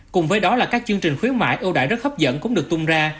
cùng với đó là các chương trình khuyến mại ưu đại rất hấp dẫn cũng được tung ra